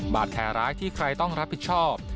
บาดแผลร้ายที่ใครต้องรับผิดชอบ